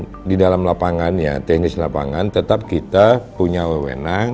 namun demikian di dalam lapangannya teknis lapangan tetap kita punya ww enam